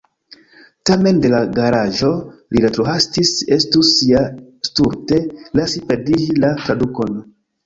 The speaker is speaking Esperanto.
Tamen de la garaĝo li retrohastis, estus ja stulte lasi perdiĝi la tradukon.